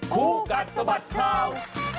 ครูกันสบัดข่าว